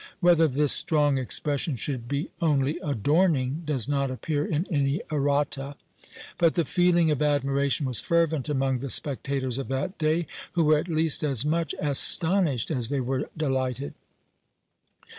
Whether this strong expression should be only adorning does not appear in any errata; but the feeling of admiration was fervent among the spectators of that day, who were at least as much astonished as they were delighted.